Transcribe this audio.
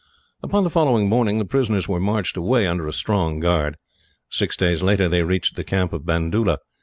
Upon the following morning the prisoners were marched away, under a strong guard. Six days later they reached the camp of Bandoola.